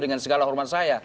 dengan segala hormat saya